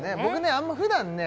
あんま普段ね